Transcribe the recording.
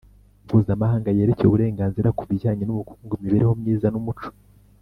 mpuzamahanga yerekeye uburenganzira ku bijyanye n ubukungu imibereho myiza n umuco